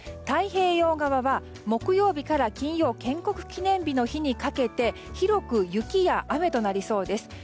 太平洋側は木曜日から金曜建国記念日の日にかけて広く雪や雨となりそうです。